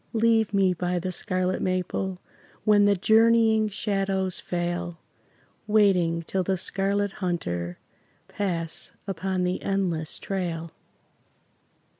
Leave me by the scarlet maple, When the journeying shadows fail, Waiting till the Scarlet Hunter Pass upon the endless trail.